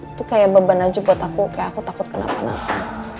itu kayak beban aja buat aku kayak aku takut kenapa napa